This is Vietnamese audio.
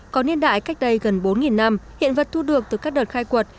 có niên đại cách đây gần bốn năm hiện vật thu được từ các đợt khai quật